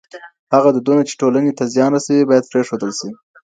هغه دودونه چي ټولنې ته زیان رسوي باید پرېښودل سي.